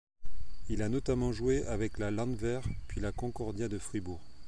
Il a notamment joué avec la Landwehr puis la Concordia de Fribourg.